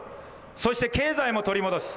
そして経済も取り戻す。